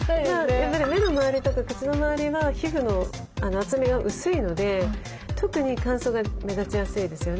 やっぱり目の周りとか口の周りは皮膚の厚みが薄いので特に乾燥が目立ちやすいですよね。